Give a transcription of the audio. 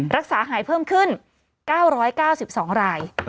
รักษาหายเพิ่มขึ้น๙๙๒ราย